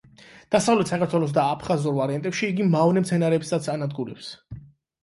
დასავლეთ საქართველოს და აფხაზურ ვარიანტებში იგი მავნე მცენარეებსაც ანადგურებს.